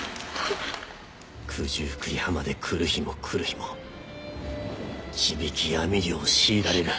九十九里浜で来る日も来る日も地引き網漁を強いられる。